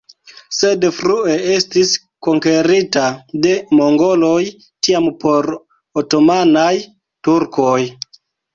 Sed frue estis konkerita de mongoloj, tiam por otomanaj turkoj.